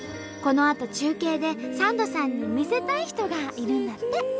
このあと中継でサンドさんに見せたい人がいるんだって。